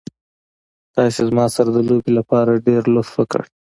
تاسې زما سره د لوبې لپاره ډېر لطف وکړ.